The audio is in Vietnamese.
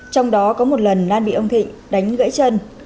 trong đó có một lần lan bị ông thịnh đánh gãy chân